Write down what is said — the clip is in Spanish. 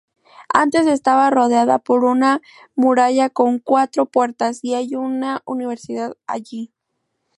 Antes estaba rodeada por una muralla con cuatro puertas y hay una universidad allí.